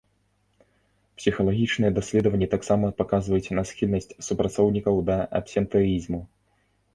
Псіхалагічныя даследаванні таксама паказваюць на схільнасць супрацоўнікаў да абсентэізму.